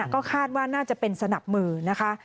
ก็คาดว่าน่าจะเป็นสนับมือนะคะ